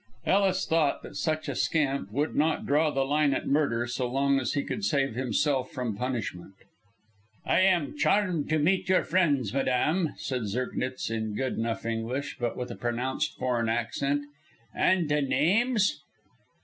Ellis thought that such a scamp would not draw the line at murder, so long as he could save himself from punishment. "I am charmed to meet your friends, madame," said Zirknitz, in good enough English, but with a pronounced foreign accent. "And the names?"